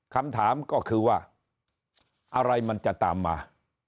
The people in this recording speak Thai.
คำถามก็คือว่าอะไรมันจะตามมา